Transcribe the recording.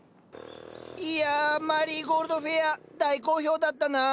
いやマリーゴールドフェア大好評だったな。